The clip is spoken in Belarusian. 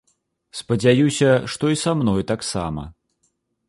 Спадзяюся, што і са мной таксама.